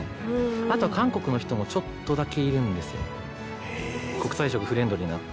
あと韓国の人もちょっとだけいるんですよ。